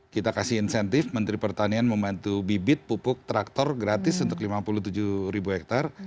kita kasih insentif menteri pertanian membantu bibit pupuk traktor gratis untuk lima puluh tujuh ribu hektare